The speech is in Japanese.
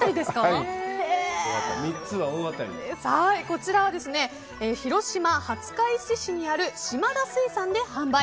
こちらは広島・廿日市市にある島田水産で販売。